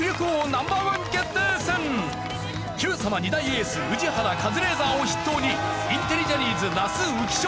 ２大エース宇治原カズレーザーを筆頭にインテリジャニーズ那須浮所